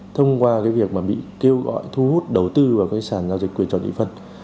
thông qua cái việc mà bị kêu gọi thu hút đầu tư vào các sàn giao dịch quyền chọn y phân